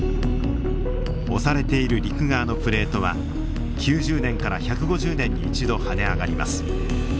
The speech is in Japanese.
押されている陸側のプレートは９０年から１５０年に一度跳ね上がります。